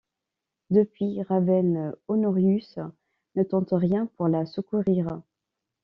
Depuis Ravenne, Honorius ne tente rien pour la secourir.